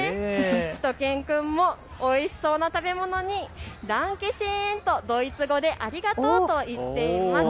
しゅと犬くんもおいしそうな食べ物にダンケシェンとドイツ語でありがとうと言っています。